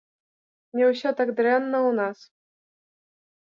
Не ўсё так дрэнна ў нас.